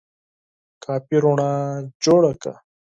کافي رڼا جوړه کړه !